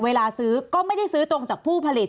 เวลาซื้อก็ไม่ได้ซื้อตรงจากผู้ผลิต